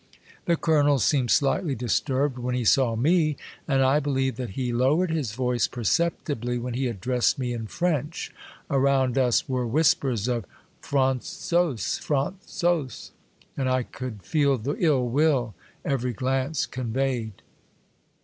The colonel seemed slightly dis turbed when he saw me, and I believe that he lowered his voice perceptibly when he addressed me in French. Around us were whispers of ^^ Frantzose ! Fraittzose !" and I could feel the ill will, every glance conveyed.